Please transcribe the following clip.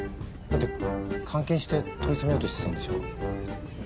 だって監禁して問い詰めようとしてたんでしょ？